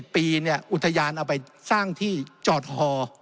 ๑๗ปีเนี่ยอุทยานเอาไปสร้างที่จอดห่อ